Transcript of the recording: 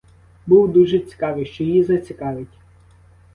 Був дуже цікавий, що її зацікавить.